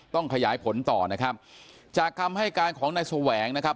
ต้องขยายผลต่อนะครับจากคำให้การของนายแสวงนะครับ